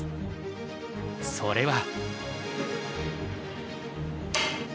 それは。